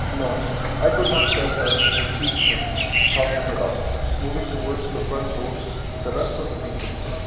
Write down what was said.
"No, I could not tell her the chief thing," thought Nekhludoff, moving towards the front doors with the rest of the people.